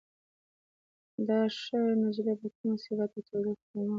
دا ښه نجلۍ په کوم مصیبت او تکلیف کې مه غورځوه.